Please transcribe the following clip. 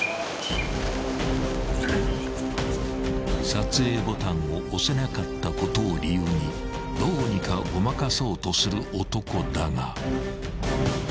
［撮影ボタンを押せなかったことを理由にどうにかごまかそうとする男だが］